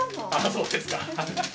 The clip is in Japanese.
そうですか。